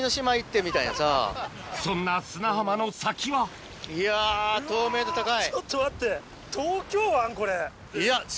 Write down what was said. そんな砂浜の先はいやすごい。